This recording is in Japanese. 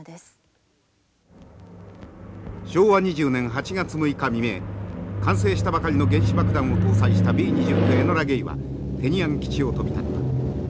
昭和２０年８月６日未明完成したばかりの原子爆弾を搭載したＢー２９エノラ・ゲイはテニアン基地を飛び立った。